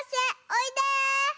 おいで。